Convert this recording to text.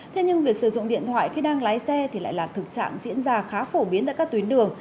thế nhưng việc sử dụng điện thoại khi đang lái xe thì lại là thực trạng diễn ra khá phổ biến tại các tuyến đường